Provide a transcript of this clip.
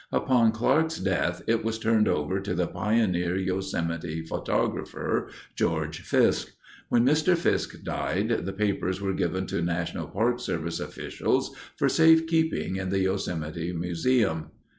Upon Clark's death it was turned over to the pioneer Yosemite photographer, George Fiske. When Mr. Fiske died, the papers were given to National Park Service officials for safekeeping in the Yosemite Museum.